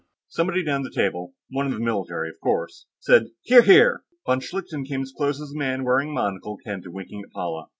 Somebody down the table one of the military, of course said, "Hear, hear!" Von Schlichten came as close as a man wearing a monocle can to winking at Paula.